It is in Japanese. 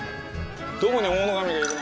どこに大野亀がいるの？